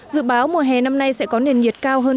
dự báo mùa hè năm nay sẽ có nền nhiệt cao hơn